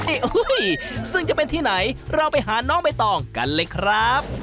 โอ้โหซึ่งจะเป็นที่ไหนเราไปหาน้องใบตองกันเลยครับ